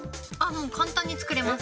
簡単に作れます。